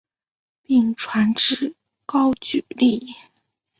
并传至高句丽。